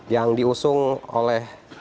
yang diusung oleh